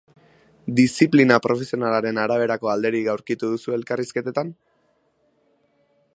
Diziplina profesionalaren araberako alderik aurkitu duzu elkarrizketetan?